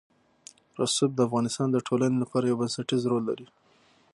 رسوب د افغانستان د ټولنې لپاره یو بنسټيز رول لري.